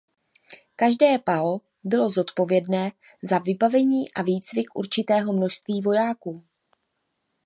Každé "pao" bylo zodpovědné za vybavení a výcvik určitého množství vojáků.